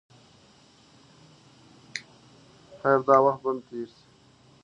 خیر دا وخت به هم تېر شي.